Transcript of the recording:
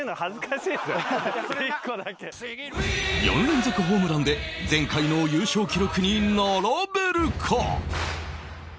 ４連続ホームランで前回の優勝記録に並べるか？